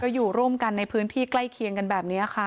อยู่ร่วมกันในพื้นที่ใกล้เคียงกันแบบนี้ค่ะ